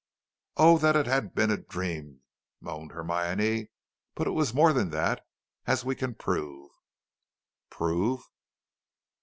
"Oh, that it had been a dream," moaned Hermione, "but it was more than that, as we can prove." "Prove?"